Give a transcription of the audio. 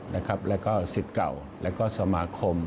และก็ศิษย์เก่าและก็สมาคม